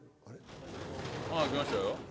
ああ来ましたよ